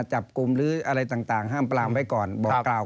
ห้ามเลยจังหวัดเนย